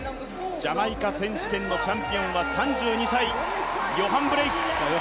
ジャマイカ選手権のチャンピオンは３２歳、ヨハン・ブレイク。